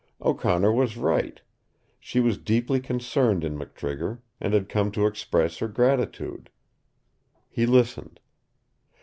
O'Connor was right. She was deeply concerned in McTrigger and had come to express her gratitude. He listened.